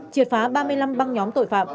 triệt phá ba mươi năm băng nhóm tội phạm